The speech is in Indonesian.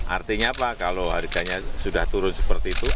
artinya apa kalau harganya sudah turun seperti itu